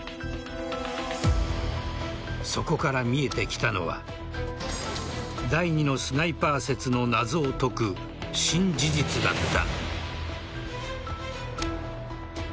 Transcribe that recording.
そこから見えてきたのは第２のスナイパー説の謎を解く新事実だった。